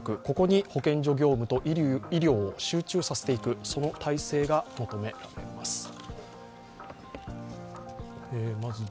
ここに保健所業務と医療を集中させていく、その体制が求められます。